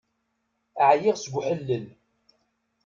Ɛyiɣ seg uḥellel.